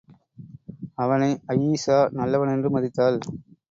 அவனை, அயீஷா நல்லவனென்று மதித்தாள்.